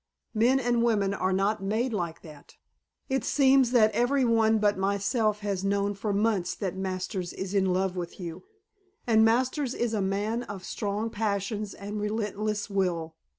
Men and women are not made like that! It seems that every one but myself has known for months that Masters is in love with you; and Masters is a man of strong passions and relentless will.